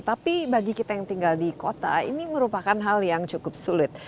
tapi bagi kita yang tinggal di kota ini merupakan hal yang cukup sulit